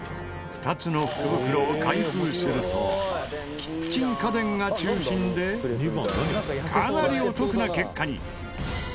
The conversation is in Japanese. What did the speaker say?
２つの福袋を開封するとキッチン家電が中心でかなりお得な結果に。